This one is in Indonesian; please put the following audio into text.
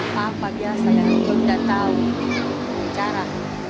apa apa biasa yang belum kita tahu cara